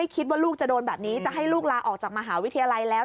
คิดว่าลูกจะโดนแบบนี้จะให้ลูกลาออกจากมหาวิทยาลัยแล้ว